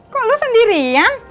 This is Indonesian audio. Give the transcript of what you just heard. kok lo sendirian